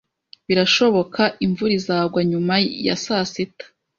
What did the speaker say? Birashoboka, imvura izagwa nyuma ya saa sita